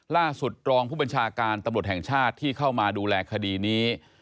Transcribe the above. รองผู้บัญชาการตำรวจแห่งชาติที่เข้ามาดูแลคดีนี้